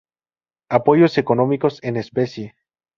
Apoyos económicos en especie.